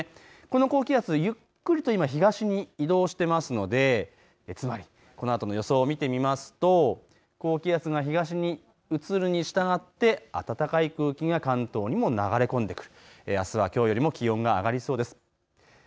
この高気圧ゆっくりと今、東に移動していますのでつまりこのあとの予想を見てみますと高気圧が東に移るにしたがって暖かい空気が関東にも流れ込んでくる。